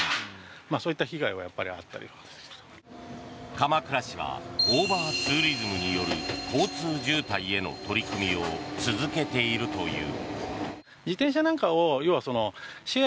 鎌倉市はオーバーツーリズムによる交通渋滞への取り組みを続けているという。